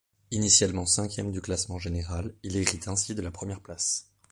Initialement cinquième du classement général, il hérite ainsi de la première place.